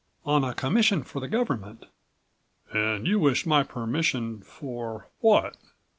"On a commission for the government." "And you wish my permission for what?"